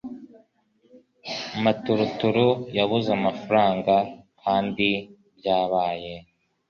Maturuturu yabuze amafaranga kandi byabaye